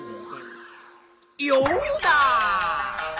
ヨウダ！